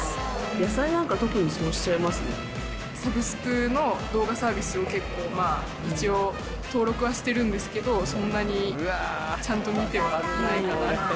野菜なんか、サブスクの動画サービスを結構、一応登録はしてるんですけど、そんなにちゃんと見てはいないような。